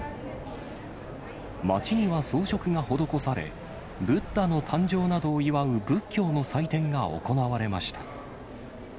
町には装飾が施され、ブッダの誕生などを祝う仏教の祭典が行われました。